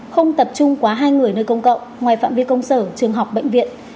không tập trung quá hai người nơi công cộng ngoài phạm vi công sở trường học bệnh viện